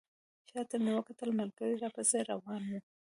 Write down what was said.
شاته مې وکتل ملګري راپسې روان وو.